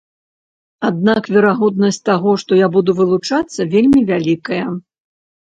Аднак верагоднасць таго, што я буду вылучацца вельмі вялікая.